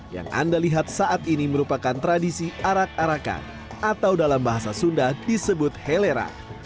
yang anda lihat saat ini merupakan tradisi arak arakan atau dalam bahasa sunda disebut helera